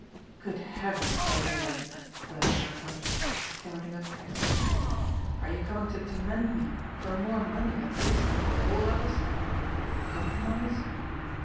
^' Good heavens, Cornelia !" burst out Hendrik, starting up excitedly, ^^are you coming to torment me for more money at this moment of all others ? Compromise